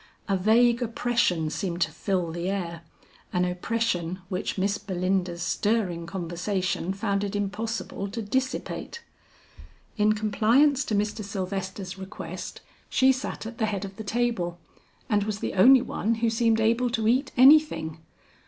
A vague oppression seemed to fill the air; an oppression which Miss Belinda's stirring conversation found it impossible to dissipate. In compliance to Mr. Sylvester's request, she sat at the head of the table, and was the only one who seemed able to eat anything.